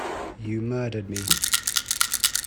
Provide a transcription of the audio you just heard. You murdered me.